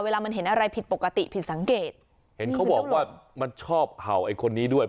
เวลามันเห็นอะไรผิดปกติผิดสังเกตเห็นเขาบอกว่ามันชอบเห่าไอ้คนนี้ด้วย